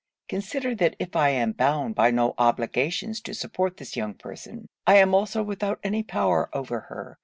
Consider that if I am bound by no obligations to support this young person, I am also without any power over her.